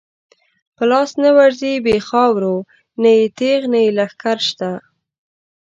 په لاس نه ورځی بی خاورو، نه یې تیغ نه یی لښکر شته